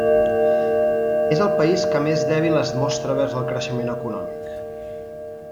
És el país que més dèbil es mostra vers el creixement econòmic.